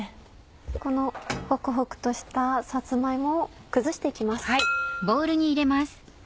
このホクホクとしたさつま芋を崩して行きます。